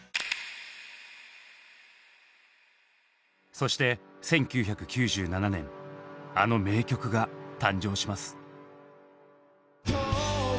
そして１９９７年あの名曲が誕生します。